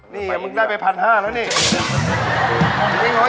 นี่มึงได้ไป๑๕๐๐เนี่ย